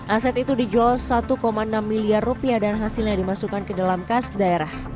aset itu dijual satu enam miliar rupiah dan hasilnya dimasukkan ke dalam kas daerah